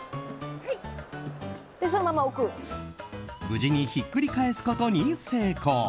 無事にひっくり返すことに成功。